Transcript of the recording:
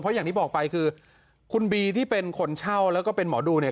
อย่างที่บอกไปคือคุณบีที่เป็นคนเช่าแล้วก็เป็นหมอดูเนี่ย